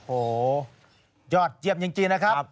โอ้โหยอดเยี่ยมจริงนะครับ